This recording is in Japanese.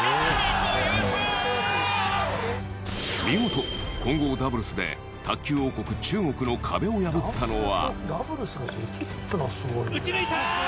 見事、混合ダブルスで卓球王国・中国の壁を破ったのは。